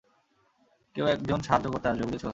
কেউ একজন সাহায্য করতে আসবে, বুঝেছো?